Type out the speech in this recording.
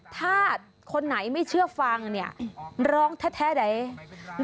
ถ้าคนไหนไม่เชื่อฟังเนี่ยร้องแท้ไหน